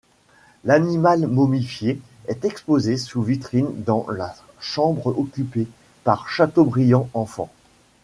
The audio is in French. L'animal momifié est exposé sous vitrine dans la chambre occupée par Chateaubriand enfant.